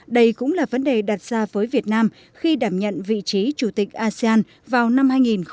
đây cũng là vấn đề đặt ra với việt nam khi đảm nhận vị trí chủ tịch asean vào năm hai nghìn hai mươi